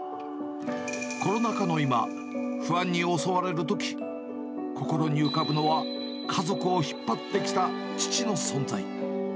コロナ禍の今、不安に襲われるとき、心に浮かぶのは、家族を引っ張ってきた父の存在。